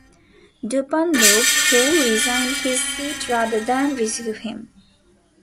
Dupanloup, who resigned his seat rather than receive him.